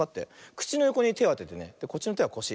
くちのよこにてをあててねこっちのてはこし。